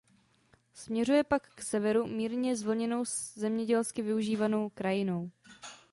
Směřuje pak k severu mírně zvlněnou zemědělsky využívanou krajinou.